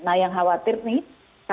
nah yang khawatir nih